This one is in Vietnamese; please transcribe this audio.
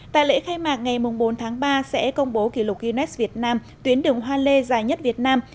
tại lễ khai mạc ngày bốn tháng ba sẽ công bố kỷ lục guinness việt nam tuyến đường hoa lê dài nhất việt nam